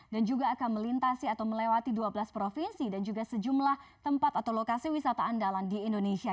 dan juga akan melintasi atau melewati dua belas provinsi dan juga sejumlah tempat atau lokasi wisata andalan di indonesia